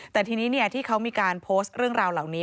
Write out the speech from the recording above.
แต่ทีนี้ที่เขามีการโพสต์เรื่องราวเหล่านี้